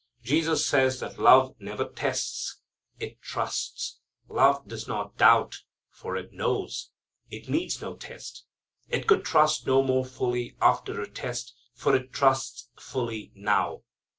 Jesus says that love never tests. It trusts. Love does not doubt, for it knows. It needs no test. It could trust no more fully after a test, for it trusts fully now.